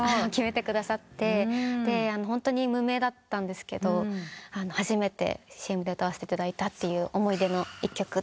ホントに無名だったんですけど初めてＣＭで歌わせていただいた思い出の一曲です。